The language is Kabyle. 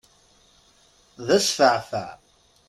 D asfaεfaε!